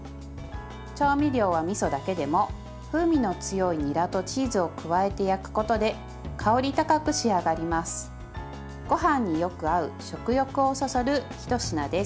調味料はみそだけでも風味の強いにらとチーズを加えて焼くことで香り高く仕上がります。